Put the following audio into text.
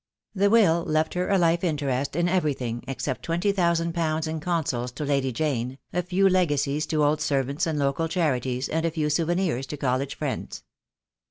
The will left her a life interest in everything, except twenty thousand pounds in consols to Lady Jane, a few legacies to old servants and local charities, and a few souvenirs to college friends.